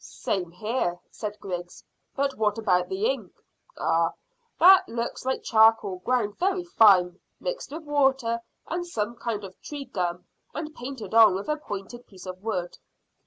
"Same here," said Griggs; "but what about the ink?" "Ah, that looks like charcoal ground very fine, mixed with water and some kind of tree gum, and painted on with a pointed piece of wood."